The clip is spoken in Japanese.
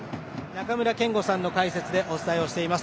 中村憲剛さんの解説でお伝えをしています。